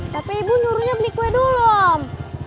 tapi ibu nurulnya beli kue dulu om